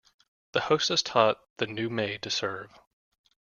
The hostess taught the new maid to serve.